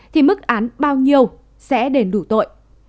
thì mức án bao nhiêu sẽ đền đủ tội